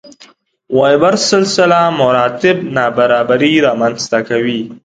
وېبر سلسله مراتب نابرابري رامنځته کوي.